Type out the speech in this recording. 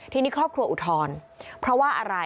ทีนี้ครอบครัวอุทธรณ์เพราะว่าอะไร